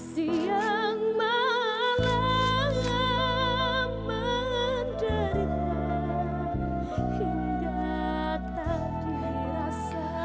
siang malam amat daripada hingga tak dirasa